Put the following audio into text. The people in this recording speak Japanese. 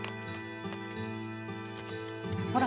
ほら。